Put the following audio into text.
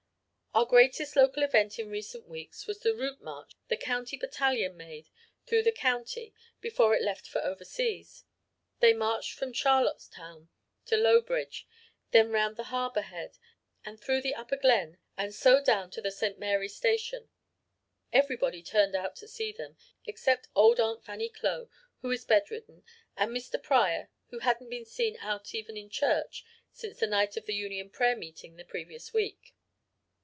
"Our greatest local event in recent weeks was the route march the county battalion made through the county before it left for overseas. They marched from Charlottetown to Lowbridge, then round the Harbour Head and through the Upper Glen and so down to the St. Mary station. Everybody turned out to see them, except old Aunt Fannie Clow, who is bedridden and Mr. Pryor, who hadn't been seen out even in church since the night of the Union Prayer Meeting the previous week.